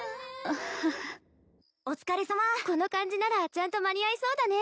あははお疲れさまこの感じならちゃんと間に合いそうだね